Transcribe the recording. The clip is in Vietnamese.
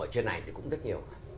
ở trên này cũng rất nhiều